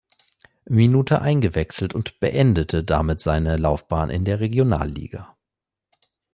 Minute eingewechselt und beendete damit seine Laufbahn in der Regionalliga.